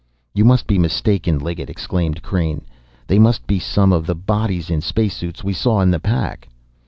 "You must be mistaken, Liggett!" exclaimed Crain. "They must be some of the bodies in space suits we saw in the pack."